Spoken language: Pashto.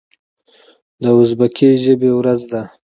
د ازبکي ژبې ورځ ده.